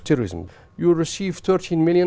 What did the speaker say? trong việc phát triển